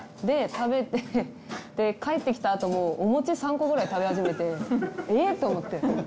で食べて帰ってきた後もお餅３個ぐらい食べ始めて「えっ？」と思って。